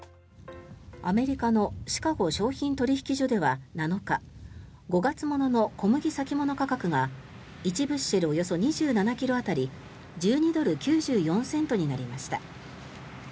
アメリカのシカゴ商品取引所では７日５月物の小麦先物価格が１ブッシェルおよそ２７ｋｇ当たり１２ドル９４セントになりました。